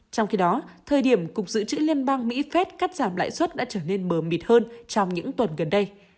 trong khi đó thời điểm cục dự trữ liên bang mỹ phép cắt giảm lãi suất đã trở nên bờ mịt hơn trong những tuần gần đây